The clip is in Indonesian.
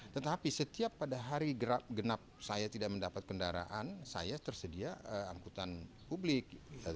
tetapi setiap pada hari genap saya tidak mendapat kendaraan saya tersedia angkutan publik